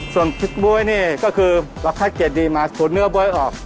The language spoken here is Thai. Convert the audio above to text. ส่วนพริกบ๊วยนี่ก็คือเราคัดเกลียดดีมาถูดเนื้อบ๊วยออก